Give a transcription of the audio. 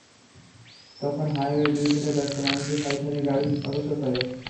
তখন হাইওয়ের দুই ধারে ব্যস্ত মানুষদের সারি সারি গাড়ি অপেক্ষা করে।